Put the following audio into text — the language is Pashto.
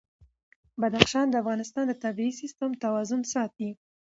بدخشان د افغانستان د طبعي سیسټم توازن ساتي.